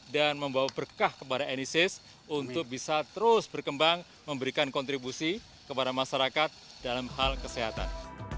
dan membawa berkah kepada nss untuk bisa terus berkembang memberikan kontribusi kepada masyarakat dalam hal kesehatan